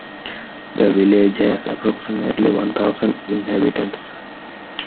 The village has approximately one thousand inhabitants.